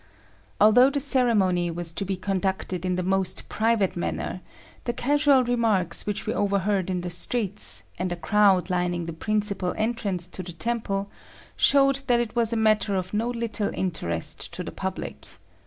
Although the ceremony was to be conducted in the most private manner, the casual remarks which we overheard in the streets, and a crowd lining the principal entrance to the temple, showed that it was a matter of no little interest to the public.